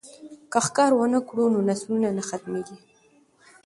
که ښکار ونه کړو نو نسلونه نه ختمیږي.